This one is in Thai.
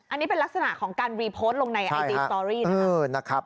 อันนี้เป็นลักษณะของการรีโพสต์ลงในไอจีสตอรี่นะครับ